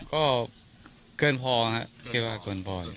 ก็เกินพอนะครับ